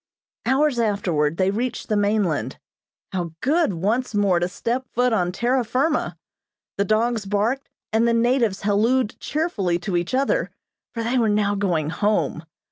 Hours afterward they reached the mainland. How good once more to step foot on terra firma! The dogs barked, and the natives hallooed cheerfully to each other, for they were now going home.